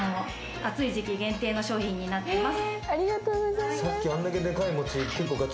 暑い時期限定の商品になっています。